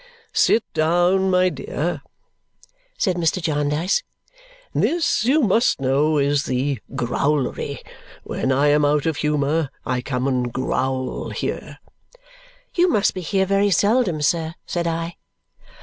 "Sit down, my dear," said Mr. Jarndyce. "This, you must know, is the growlery. When I am out of humour, I come and growl here." "You must be here very seldom, sir," said I.